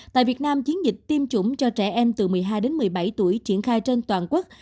tại việt nam chiến dịch tiêm chủng cho trẻ em từ một mươi hai đến một mươi bảy tuổi triển khai trên toàn quốc